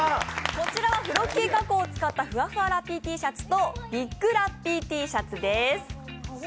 こちらはフロッキー加工を使ったふわふわラッピーＴシャツとＢＩＧラッピーＴシャツです。